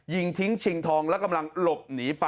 ยิงทิ้งชิงทองและเกิดมาได้เว่งกับสิ่งนี้นะครับ